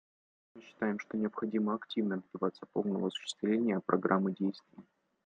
Мы считаем, что необходимо активно добиваться полного осуществления Программы действий.